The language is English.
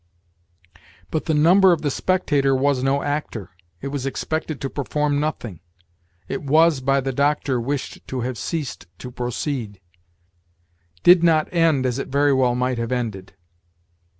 But the Number of the 'Spectator' was no actor; it was expected to perform nothing; it was, by the Doctor, wished to have ceased to proceed. 'Did not end as it very well might have ended....'